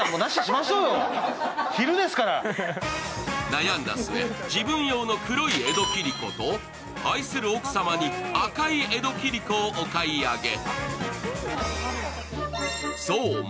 悩んだ末、自分用の黒い江戸切子と愛する奥様に赤い江戸切子をお買い上げ。